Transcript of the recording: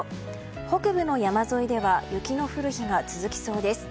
北部の山沿いでは雪の降る日が続きそうです。